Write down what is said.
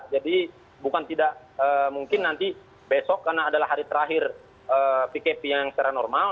jadi bukan tidak mungkin nanti besok karena adalah hari terakhir pkp yang secara normal